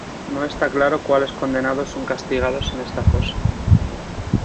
No está claro cuales condenados son castigados en esta fosa.